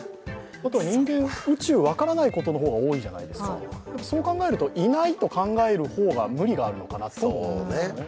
あとは人間、宇宙分からないことの方が多いじゃないですか、そう考えると、いないと考える方が無理があるのかなと。